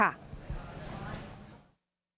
เรื่องเกษตรทฤษฎีใหม่และความพอเพียงของในหลวงรัชกาลที่๙